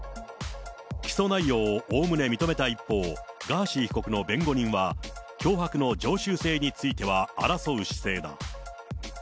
起訴内容をおおむね認めた一方、ガーシー被告の弁護人は、脅迫の常習性については争う姿勢だ。